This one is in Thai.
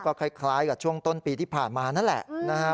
ก็คล้ายกับช่วงต้นปีที่ผ่านมานั่นแหละนะครับ